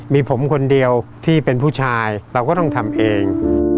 มีผมคนเดียวที่เป็นผู้ชายเราก็ต้องทำเอง